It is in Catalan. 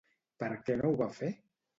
Per què no ho va fer?